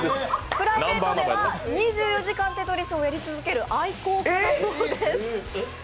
プライベートでは２４時間テトリスをやり続ける愛好家だそうです。